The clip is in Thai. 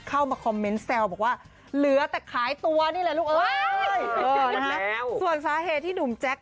เข้ามาคอมเมนต์แซวบอกว่าเหลือแต่ขายตัวนี่เลยลูก